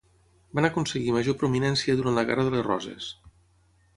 Van aconseguir major prominència durant la guerra de les Roses.